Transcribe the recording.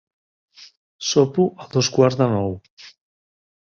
Sopo a dos quarts de nou.